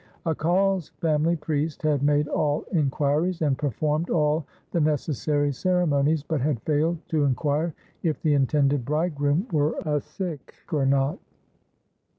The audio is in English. Akal's family priest had made all in quiries and performed all the necessary ceremonies, but had failed to inquire if the intended bridegroom were a Sikh or not.